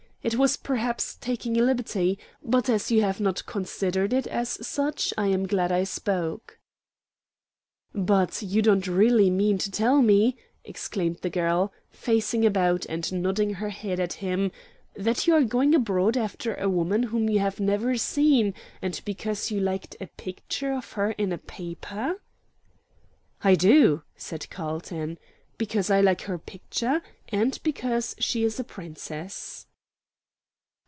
"It was perhaps taking a liberty; but as you have not considered it as such, I am glad I spoke." "But you don't really mean to tell me," exclaimed the girl, facing about, and nodding her head at him, "that you are going abroad after a woman whom you have never seen, and because you like a picture of her in a paper?" "I do," said Carlton. "Because I like her picture, and because she is a Princess."